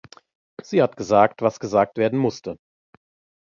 Sie hat gesagt, was gesagt werden musste.